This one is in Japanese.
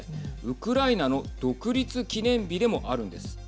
ウクライナの独立記念日でもあるんです。